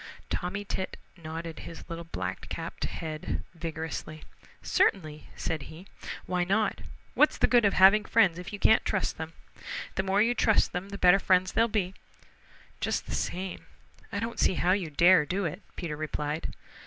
Tommy Tit nodded his little black capped head vigorously. "Certainly," said he. "Why not? What's the good of having friends if you can't trust them? The more you trust them the better friends they'll be." "Just the same, I don't see how you dare to do it," Peter replied.